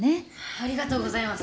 ありがとうございます！